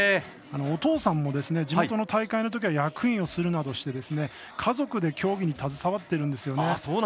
お父さんも地元の大会のときは役員をするなどして家族で競技に携わっているんですよね。